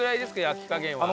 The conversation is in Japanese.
焼き加減は。